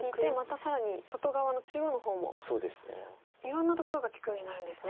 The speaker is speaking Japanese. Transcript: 更に外側の中央の方もいろんなところが利くようになるんですね。